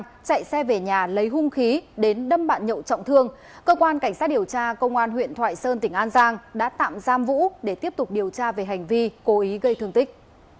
khi chạy xe về nhà lấy hung khí đến đâm bạn nhậu trọng thương cơ quan cảnh sát điều tra công an huyện thoại sơn tỉnh an giang đã tạm giam vũ để tiếp tục điều tra về hành vi cố ý gây thương tích